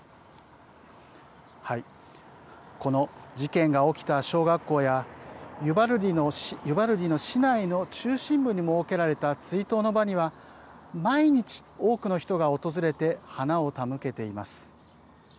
この事件が起きた小学校やユバルディの市内の中心部に設けられた追悼の場には毎日、多くの人が訪れて花を手向けています。